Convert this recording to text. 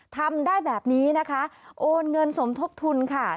ทำได้แบบนี้นะคะโอนเงินสมทบทุนค่ะ